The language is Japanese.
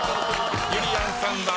ゆりやんさんは。